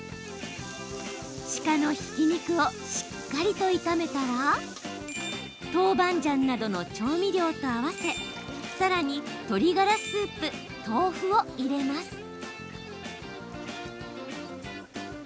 鹿のひき肉をしっかりと炒めたら豆板醤などの調味料と合わせさらに、鶏ガラスープ豆腐を入れます。